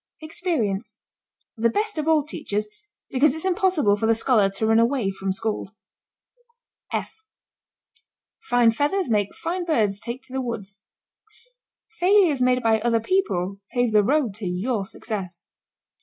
EXPERIENCE. The best of all teachers, because it's impossible for the scholar to run away from school. [Illustration: "F There's only one thing to do however."] Fine feathers make fine birds take to the woods. Failures made by other people pave the road to your Success.